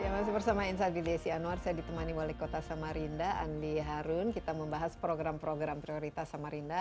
masih bersama insight pt sianor saya ditemani oleh kota samarinda andi harun kita membahas program program prioritas samarinda